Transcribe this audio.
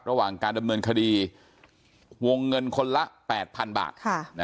ระหว่างการดำเนินคดีวงเงินคนละ๘๐๐๐บาท